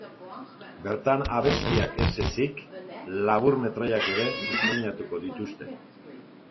Bertan abestiak ez ezik, laburmetraiak ere estreinatuko dituzte.